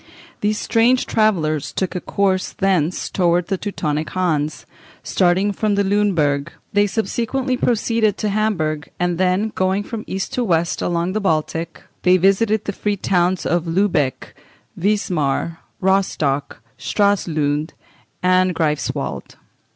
These strange travellers took a course thence towards the Teutonic Hanse, starting from Luneburg: they subsequently proceeded to Hamburg, and then, going from east to west along the Baltic, they visited the free towns of Lubeck, Wismar, Rostock, Stralsund, and Greifswald.